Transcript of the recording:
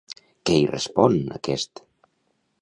Què hi respon, aquest?